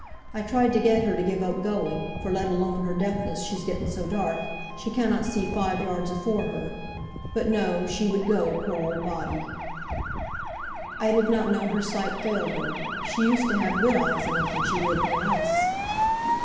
I tried to get her to give up going, for let alone her deafness she's getten so dark, she cannot see five yards afore her; but no, she would go, poor old body." "I did not know her sight had failed her; she used to have good eyes enough when she lived near us."